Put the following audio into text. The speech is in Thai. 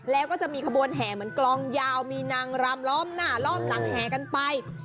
แล้วก็จะมีขบวนแห่เหมือนกลองยาวมีนางรำล้อมหน้าล้อมหลังแห่กันไป